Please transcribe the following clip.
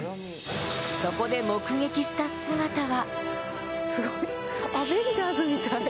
そこで目撃した姿は。